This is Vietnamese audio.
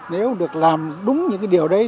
nếu được làm đúng những cái điều đấy